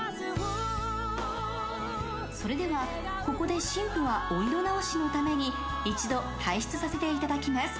それではここで新婦はお色直しのために一度退室させていただきます。